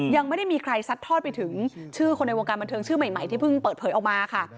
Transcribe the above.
ยังไม่ได้มีใครซัดทอดไปถึงชื่อคนในวงการบันเทิงชื่อใหม่ที่เพิ่งเปิดเผยออกมาค่ะ